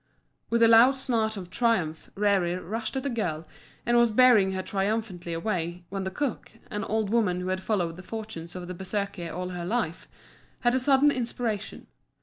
With a loud snarl of triumph, Rerir rushed at the girl, and was bearing her triumphantly away, when the cook an old woman who had followed the fortunes of the Bersekir all her life had a sudden inspiration.